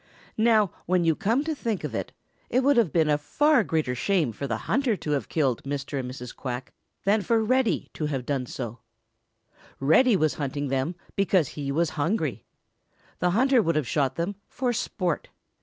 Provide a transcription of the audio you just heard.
Now when you come to think of it, it would have been a far greater shame for the hunter to have killed Mr. and Mrs. Quack than for Reddy Fox to have done so. Reddy was hunting them because he was hungry. The hunter would have shot them for sport.